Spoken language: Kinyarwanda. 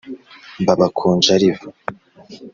mba bakonjariva